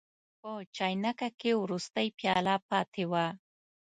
په چاینکه کې وروستۍ پیاله پاتې وه.